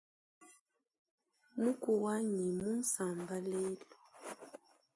Muku wanyi mmunsamba lelu.